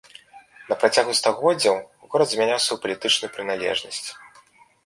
На працягу стагоддзяў горад змяняў сваю палітычную прыналежнасць.